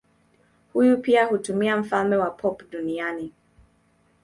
Huyu pia huitwa mfalme wa pop duniani.